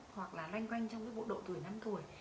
hoặc là loanh quanh trong độ tuổi năm tuổi